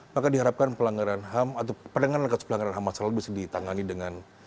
maka diharapkan pelanggaran ham atau pendengaran langkah pelanggaran ham bisa ditangani dengan